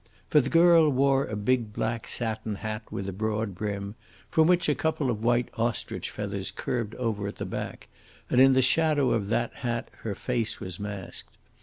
For the girl wore a big black satin hat with a broad brim, from which a couple of white ostrich feathers curved over at the back, and in the shadow of that hat her face was masked.